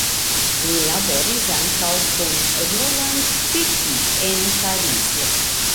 Li laboris ankaŭ kun Roland Petit en Parizo.